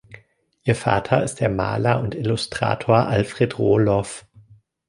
Ihr Vater ist der Maler und Illustrator Alfred Roloff.